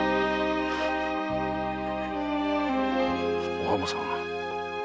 お浜さん。